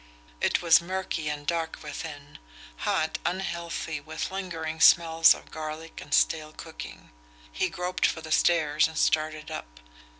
It was murky and dark within; hot, unhealthy, with lingering smells of garlic and stale cooking. He groped for the stairs and started up.